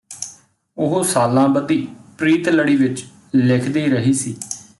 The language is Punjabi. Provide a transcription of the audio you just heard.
ਉਹ ਸਾਲਾਂ ਬੱਧੀ ਪ੍ਰੀਤ ਲੜੀ ਵਿਚ ਲਿਖਦੀ ਰਹੀ ਸੀ